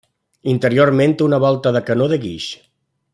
Interiorment té una volta de canó de guix.